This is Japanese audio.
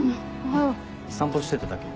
散歩してただけ。